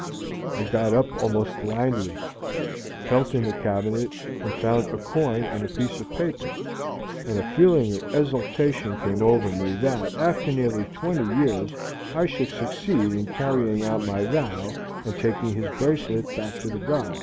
"I got up almost blindly, felt in the cabinet, and found a coin and a piece of paper, and a feeling of exultation came over me that, after nearly twenty years, I should succeed in carrying out my vow and taking his bracelet back to the god.